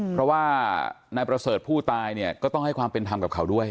เพราะว่านายประเสริฐผู้ตายเนี่ยก็ต้องให้ความเป็นธรรมกับเขาด้วย